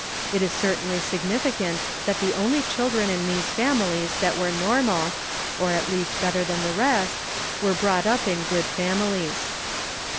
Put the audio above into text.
It is certainly significant that the only children in these families that were normal, or at least better than the rest, were brought up in good families.